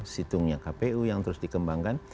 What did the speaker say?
situngnya kpu yang terus dikembangkan